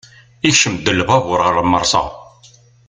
Ikcem-d lbabur ɣer lmersa.